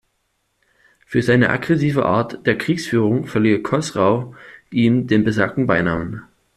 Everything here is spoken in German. Für seine aggressive Art der Kriegsführung verlieh Chosrau ihm den besagten Beinamen.